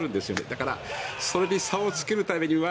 だからそれに差をつけるためには